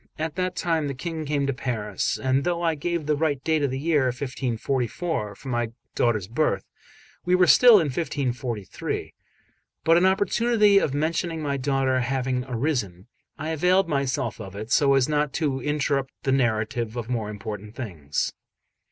At that time the King came to Paris; and though I gave the right date of the year 1544 for my daughter's birth, we were still in 1543; but an opportunity of mentioning my daughter having arisen, I availed myself of it, so as not to interrupt the narrative of more important things.